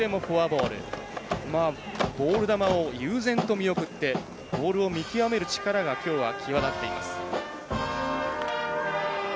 ボール球を悠然と見送ってボールを見極める力がきょうは際立っています。